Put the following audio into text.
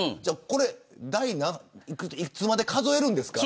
これ、いつまで数えるんですか。